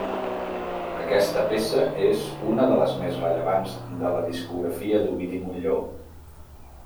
Aquesta peça és una de les més rellevants de la discografia d'Ovidi Montllor.